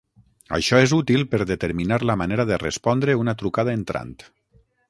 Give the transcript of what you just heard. Això és útil per determinar la manera de respondre una trucada entrant.